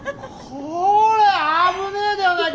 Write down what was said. こら危ねえではないか。